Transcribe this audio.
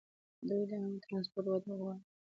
دوی د عامه ټرانسپورټ وده غواړي.